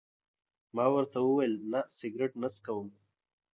ما ورته وویل: نه، سګرېټ نه څکوم.